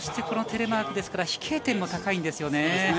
このテレマークですから、飛型点も高いんですよね。